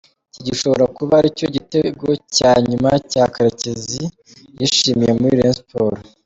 iki gishobora kuba aricyo gitego cya nyuma Karekezi yishimiye muri Rayon Sports.